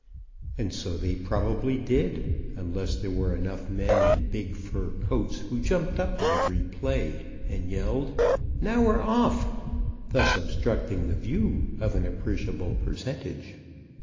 And so they probably did, unless there were enough men in big fur coats who jumped up at every play and yelled "Now we're off!" thus obstructing the view of an appreciable percentage.